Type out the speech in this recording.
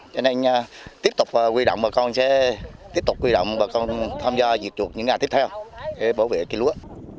cho nên tiếp tục quy động bà con sẽ tiếp tục quy động bà con tham gia diệt chuột những ngày tiếp theo để bảo vệ cây lúa